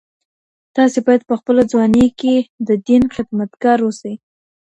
تاسي باید په خپله ځواني کي د دین خدمتګار اوسئ.